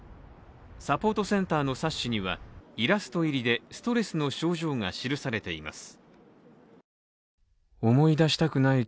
サポートセンターの冊子にはイラスト入りでストレスの症状が記されています。